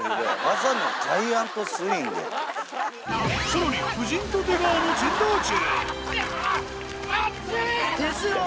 さらに夫人と出川の珍道中。